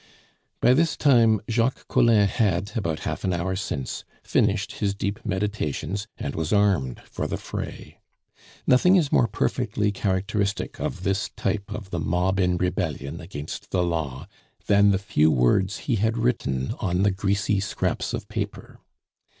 By this time Jacques Collin had, about half an hour since, finished his deep meditations, and was armed for the fray. Nothing is more perfectly characteristic of this type of the mob in rebellion against the law than the few words he had written on the greasy scraps of paper.